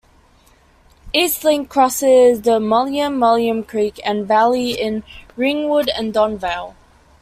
Eastlink crosses the Mullum Mullum Creek and Valley in Ringwood and Donvale.